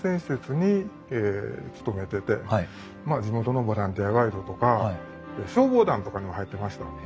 地元のボランティアガイドとか消防団とかにも入ってました。